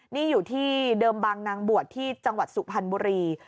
นี่อยู่ที่เดิมบางนางบวชที่จังหวัดสุพรรณบุรี